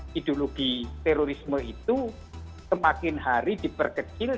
pembangunan turisme itu semakin hari diperkecil